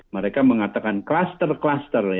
mereka mengatakan kluster kluster